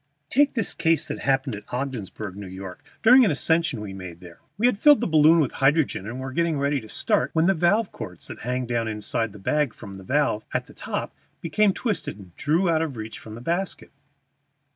Take this case that happened at Ogdensburg, New York, during an ascension we made there. We had filled the balloon with hydrogen, and were just ready to start when the valve cords that hang down inside the bag from the valve at the top became twisted and drew up out of reach from the basket.